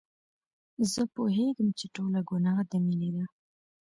زه پوهېږم چې ټوله ګناه د مينې ده.